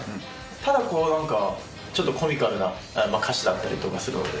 ただなんか、ちょっとコミカルな歌詞だったりとかするので。